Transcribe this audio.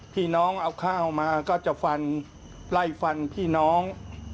พี่น้องเอาข้าวมาก็จะฟันไล่ฟันพี่น้อง